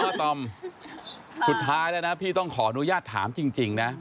อาตอมสุดท้ายแล้วนะพี่ต้องขออนุญาตถามจริงนะ